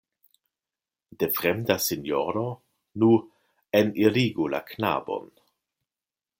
De fremda sinjoro? Nu, enirigu la knabon.